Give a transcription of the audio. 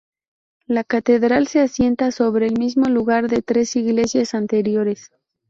La catedral se asienta sobre el mismo lugar de tres iglesias anteriores.